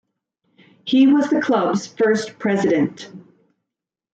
He was the club's first president.